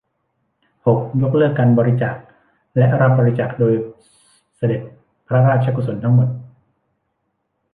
หก ยกเลิกการบริจาคและรับบริจาคโดยเสด็จพระราชกุศลทั้งหมด